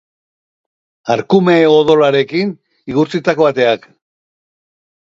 Arkume odolarekin igurtzitako ateak.